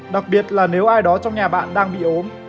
đặc biệt là nếu ai đó trong nhà bạn đang bị ốm